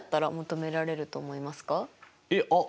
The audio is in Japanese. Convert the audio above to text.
いえあっ